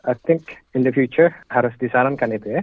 i think in the future harus disarankan itu ya